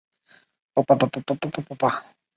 中国史料称他作释利因陀盘。